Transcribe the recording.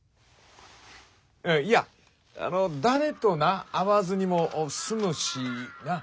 いやあの誰とな会わずにも済むしなっ？